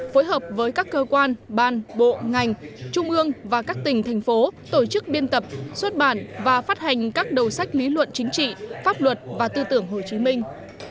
phối hợp với các cơ quan ban bộ ngành trung ương và các tỉnh thành phố tổ chức biên tập xuất bản và phát hành các đầu sách lý luận chính trị pháp luật và tư tưởng hồ chí minh